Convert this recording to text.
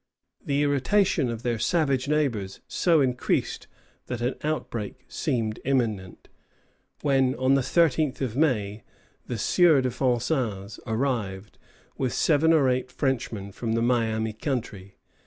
The irritation of their savage neighbors so increased that an outbreak seemed imminent, when, on the thirteenth of May, the Sieur de Vincennes arrived, with seven or eight Frenchmen, from the Miami country.